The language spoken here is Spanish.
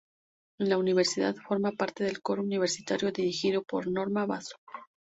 En la Universidad forma parte del Coro Universitario dirigido por Norma Basso.